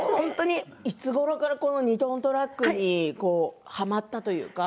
いつごろから２トントラックにはまったというか？